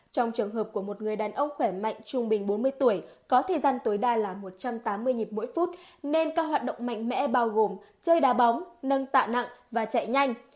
trong trường hợp của một người đàn ông khỏe mạnh trung bình bốn mươi tuổi có thời gian tối đa là một trăm tám mươi nhịp mỗi phút nên các hoạt động mạnh mẽ bao gồm chơi đa bóng nâng tạ nặng và chạy nhanh